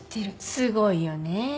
すごいよね